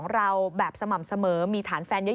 อยากทำอะไรครับ